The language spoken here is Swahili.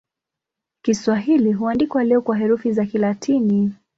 Kiswahili huandikwa leo kwa herufi za Kilatini.